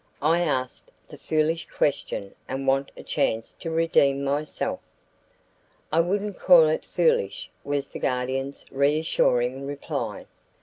I asked the foolish question and want a chance to redeem myself." "I wouldn't call it foolish," was the Guardian's reassuring reply.